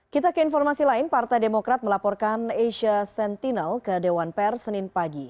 kita ke informasi lain partai demokrat melaporkan asia sentinel ke dewan per senin pagi